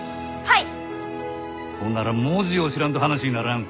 ほんなら文字を知らんと話にならん。